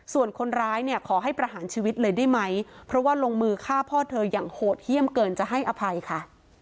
ส่วนคนร้ายเนี่ยขอให้ประหารชีวิตเลยได้ไหมเพราะว่าลงมือฆ่าพ่อเธออย่างโหดเยี่ยมเกินจะให้อภัยค่ะ